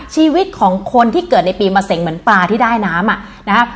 ชีวิตของคนที่เกิดในปีมะเสงเหมือนปลาที่ได้น้ำอ่ะนะฮะ